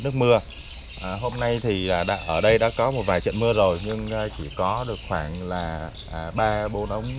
nước mưa hôm nay thì đã ở đây đã có một vài trận mưa rồi nhưng chỉ có được khoảng là ba bốn ống